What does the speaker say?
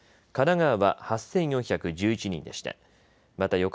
神奈川は８４１１人でした。